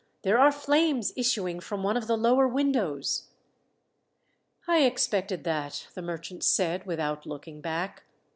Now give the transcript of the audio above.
There are flames issuing from one of the lower windows." "I expected that," the merchant said, without looking back.